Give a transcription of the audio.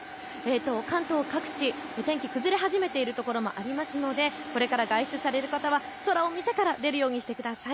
関東各地、天気が崩れ始めているところもあるのでこれから外出される方は空を見てから出るようにしてください。